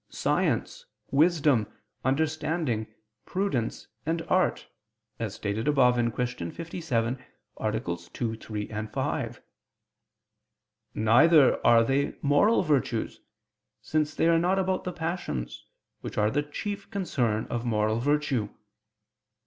science, wisdom, understanding, prudence, and art, as stated above (Q. 57, AA. 2, 3, 5). Neither are they moral virtues; since they are not about the passions, which are the chief concern of moral virtue.